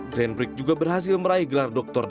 grant briggs juga berhasil meraih gelar doktor termuda